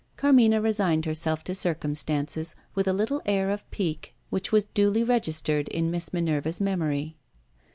Carmina resigned herself to circumstances, with a little air of pique which was duly registered in Miss Minerva's memory.